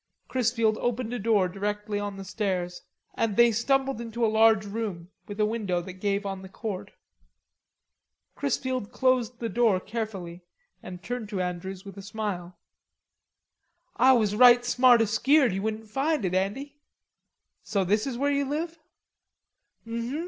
Chrisfield opened a door directly on the stairs, and they stumbled into a large room with a window that gave on the court. Chrisfield closed the door carefully, and turned to Andrews with a smile. "Ah was right smart 'askeered ye wouldn't find it, Andy." "So this is where you live?"